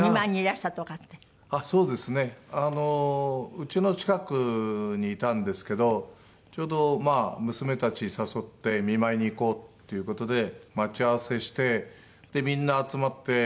うちの近くにいたんですけどちょうどまあ娘たち誘って見舞いに行こうっていう事で待ち合わせしてみんな集まって。